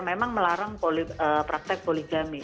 memang melarang praktek poligami